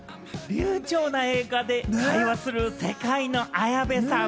流ちょうな英語で会話する世界の綾部さん。